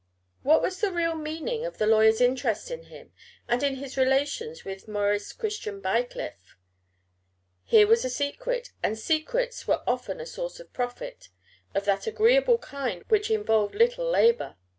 What was the real meaning of the lawyer's interest in him, and in his relations with Maurice Christian Bycliffe? Here was a secret; and secrets were often a source of profit, of that agreeable kind which involved little labor.